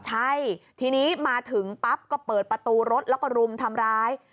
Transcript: ใช่ทีนี้มาถึงปั๊บก็เปิดประตูรถแล้วก็รุมทำร้าย